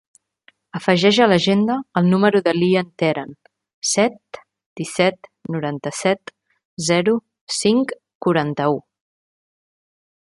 Afegeix a l'agenda el número de l'Ian Teran: set, disset, noranta-set, zero, cinc, quaranta-u.